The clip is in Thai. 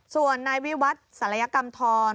ส่วนนายวิวัฒน์ศาลยกรรมทร